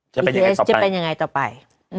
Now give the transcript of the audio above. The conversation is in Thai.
จะเป็นยังไงต่อไป